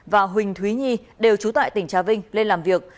và huỳnh thúy nhi đều trú tại tỉnh trà vinh lên làm việc